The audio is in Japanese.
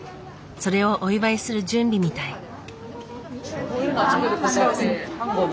それをお祝いする準備みたい。